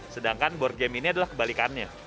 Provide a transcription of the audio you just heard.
sedangkan board game ini adalah kebalikannya